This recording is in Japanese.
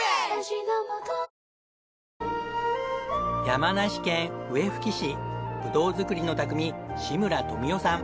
山梨県笛吹市ぶどう作りの匠志村富男さん。